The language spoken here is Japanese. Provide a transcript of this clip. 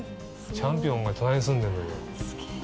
チャンピオンが隣に住んでるのよ。